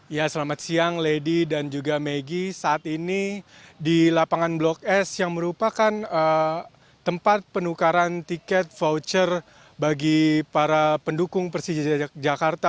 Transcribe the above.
ya selamat siang lady dan juga maggie saat ini di lapangan blok s yang merupakan tempat penukaran tiket voucher bagi para pendukung persija jakarta